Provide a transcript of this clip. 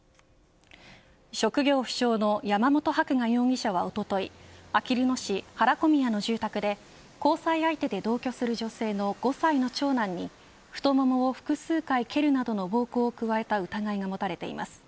職業不詳の山本伯画容疑者はおとといあきる野市原小宮の住宅で交際相手で同居する女性の５歳の長男に太ももを複数回蹴るなどの暴行を加えた疑いが持たれています。